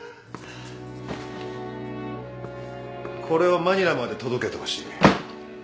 これをマニラまで届けてほしい。